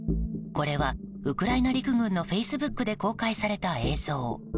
これはウクライナ陸軍のフェイスブックで公開された映像。